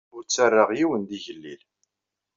Ur ttarraɣ yiwen d igellil.